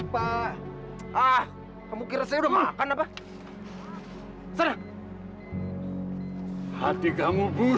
pertemukan kembali hamba dengan papa hamba